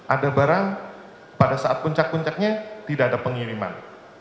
ada barang pada saat puncak puncaknya tidak ada pengiriman